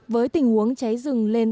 với tình huống cháy rừng lên